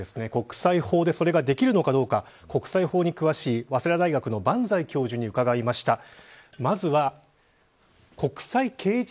国際法でそれができるのかどうか、国際法に詳しい早稲田大学の萬歳教授に伺いました。